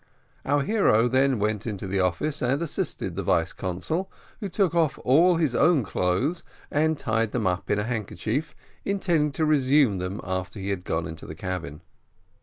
Our hero then went into the office and assisted the vice consul, who took off all his own clothes and tied them up in a handkerchief, intending to resume them after he had gone into the cabin.